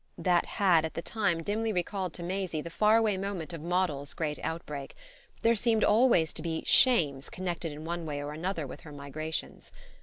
That had at the time dimly recalled to Maisie the far away moment of Moddle's great outbreak: there seemed always to be "shames" connected in one way or another with her migrations.